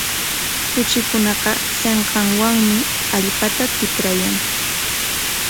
Kuchikunaqa sinqanwanmi allpata tikrayan.